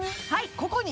ここに？